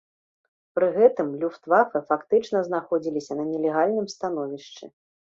Пры гэтым люфтвафэ фактычна знаходзіліся на нелегальным становішчы.